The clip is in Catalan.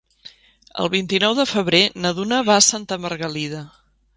El vint-i-nou de febrer na Duna va a Santa Margalida.